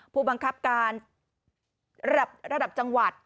ผู้บังคับการระดับจังหวัด